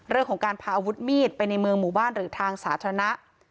เรื่องของการพาอาวุธมีดไปในเมืองหมู่บ้านหรือทางสาธารณะ